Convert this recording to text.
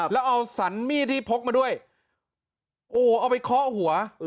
แล้วเอาสรรมีดที่พกมาด้วยโอ้โหเอาไปเคาะหัว